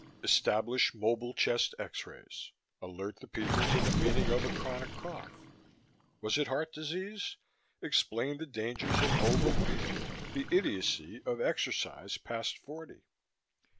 Establish mobile chest X rays; alert the people to the meaning of a chronic cough. Was it heart disease? Explain the dangers of overweight, the idiocy of exercise past forty.